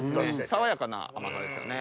爽やかな甘さですよね。